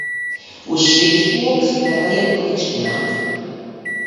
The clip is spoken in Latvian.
Uz šīs pogas nevajag klikšķināt.